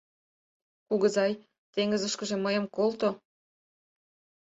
«Кугызай, теҥызышке мыйым колто